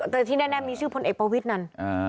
แต่ที่แน่มีชื่อพลเอกประวิทย์นั้น